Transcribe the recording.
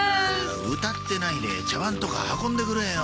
歌ってないで茶わんとか運んでくれよ。